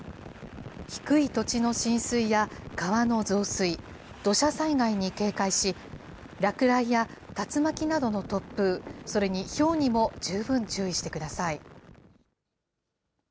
低い土地の浸水や、川の増水、土砂災害に警戒し、落雷や竜巻などの突風、それにひょうにも十分注意してください。